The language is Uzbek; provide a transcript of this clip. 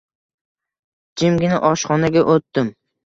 Jimgina oshxonaga o`tdim